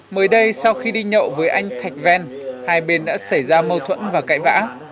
mới đây sau khi đi nhậu với anh thạch ven hai bên đã xảy ra mâu thuẫn và cãi vã